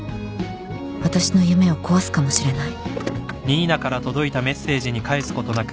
私の夢を壊すかもしれない